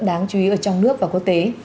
đáng chú ý ở trong nước và quốc tế